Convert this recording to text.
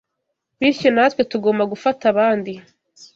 bityo natwe tugomba gufata abandi